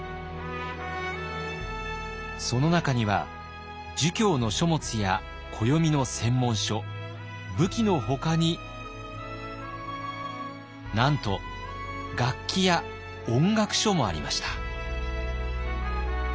その中には儒教の書物や暦の専門書武器のほかになんと楽器や音楽書もありました。